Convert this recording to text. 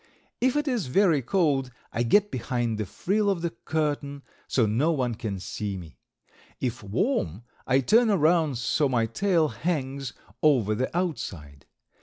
If it is very cold I get behind the frill of the curtain, so no one can see me. If warm I turn around so my tail hangs over the outside.